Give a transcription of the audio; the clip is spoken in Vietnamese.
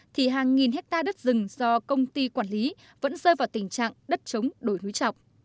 thì hàng nghìn hectare đất rừng do công ty quản lý vẫn rơi vào tình trạng đất chống đổi núi trọc